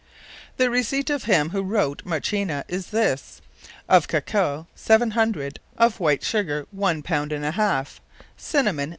The Receipt of him who wrote at Marchena, is this: Of Cacaos, 700; of white Sugar, one pound and a halfe; Cinnamon, 2.